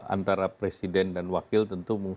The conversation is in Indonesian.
antara presiden dan wakil tentu